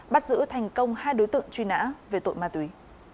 bắt giữ thành công hai đối tượng truy nã về tội ma túy